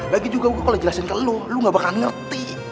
lagi juga gue kalau jelasin ke lu lu gak bakal ngerti